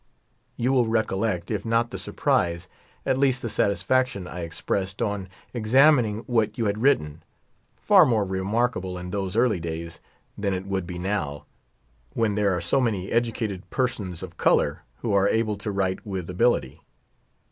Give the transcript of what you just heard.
You will recollect, if not the surprise, at least the satisfaction I expressed on examining what you had written — far more remarkable in those early days than it would be now, when there are so many educated persons of color who are able to write with ability.